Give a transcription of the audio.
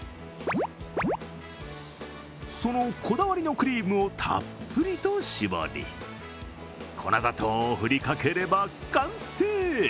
そのこだわりのクリームをたっぷりと絞り、粉砂糖を振りかければ完成！